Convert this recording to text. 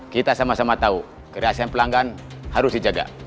kita sama sama tahu kereasan pelanggan harus dijaga